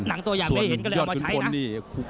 หนังตัวอย่างไม่เห็นก็เลยเอามาใช้นะนี่